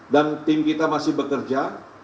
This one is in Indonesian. dan tim kita masih bekerja